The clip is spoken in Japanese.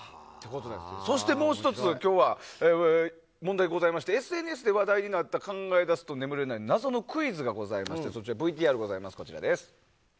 そしてもう１つ今日は問題がございましてＳＮＳで話題になった考え出すと眠れない謎のクイズがございましてそのＶＴＲがございます。